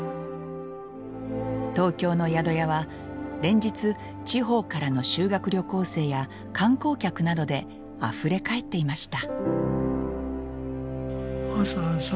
東京の宿屋は連日地方からの修学旅行生や観光客などであふれ返っていました。